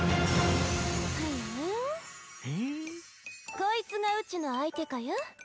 「こいつがうちの相手かや？」